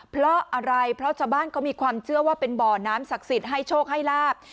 เพราะอะไรเพราะชาวบ้านเขามีความเชื่อว่าเป็นบ่อน้ำศักดิ์สิทธิ์ให้โชคให้ลาบ